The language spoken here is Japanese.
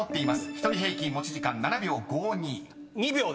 ［１人平均持ち時間７秒５２］